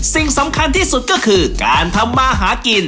สิ่งสำคัญที่สุดก็คือการทำมาหากิน